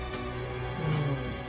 うん。